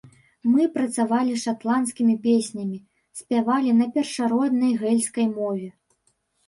Мы працавалі з шатландскімі песнямі, спявалі на першароднай гэльскай мове.